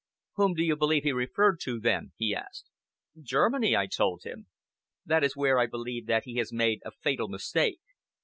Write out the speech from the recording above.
"Whom do you believe he referred to then?" he asked. "Germany," I told him. "That is where I believe that he has made a fatal mistake.